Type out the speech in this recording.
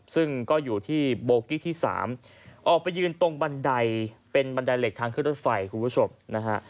ซึ่งก็อยู่ที่โบกี้ที่๓ออกไปยืนตรงบันไดเป็นบันไดเหล็กทางขึ้นรถไฟคุณผู้ชมนะฮะ